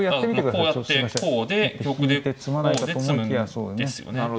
こうやってこうですね。